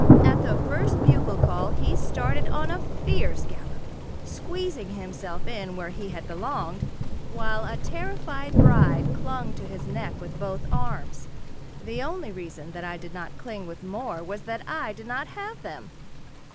At the first bugle call he started on a fierce gallop, squeezing himself in where he had belonged, while a terrified bride clung to his neck with both arms. The only reason that I did not cling with more was that I did not have them.